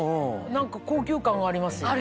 何か高級感があります。